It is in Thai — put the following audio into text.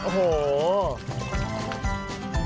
โอ้โห